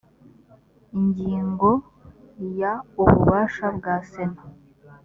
ingingo ya ububasha bwa sena